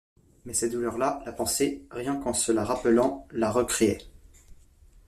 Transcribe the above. Mais cette douleur-là, la pensée, rien qu’en se la rappelant, la recréait.